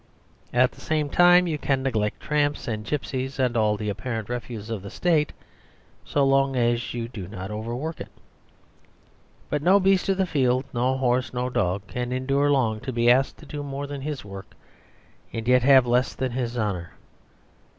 At the same time, you can neglect tramps and gypsies and all the apparent refuse of the State so long as you do not overwork it. But no beast of the field, no horse, no dog can endure long to be asked to do more than his work and yet have less than his honour.